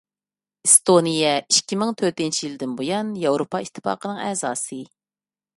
ئېستونىيە ئىككى مىڭ تۆتىنچى يىلىدىن بۇيان ياۋروپا ئىتتىپاقىنىڭ ئەزاسى.